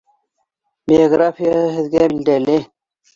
Биографияһы һеҙгә билдәле